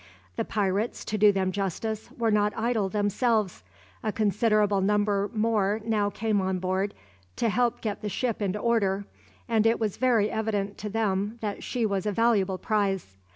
The pirates, to do them justice, were not idle themselves. A considerable number more now came on board to help get the ship into order, as it was very evident to them that she was a valuable prize.